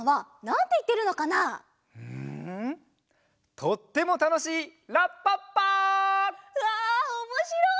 とってもたのしいらっぱっぱ！うわおもしろい！